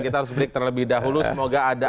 kita harus break terlebih dahulu semoga ada